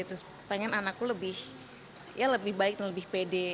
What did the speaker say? terus pengen anakku lebih baik dan lebih pede